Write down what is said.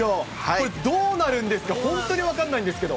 これ、どうなるんですか、本当に分からないんですけど。